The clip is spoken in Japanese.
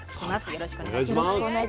よろしくお願いします。